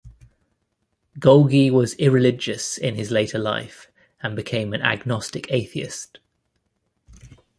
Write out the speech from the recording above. Golgi was irreligious in his later life and became an agnostic atheist.